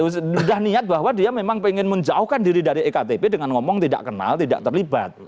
sudah niat bahwa dia memang pengen menjauhkan diri dari ektp dengan ngomong tidak kenal tidak terlibat